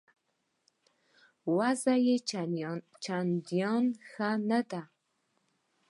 وضع یې چنداني ښه نه ده.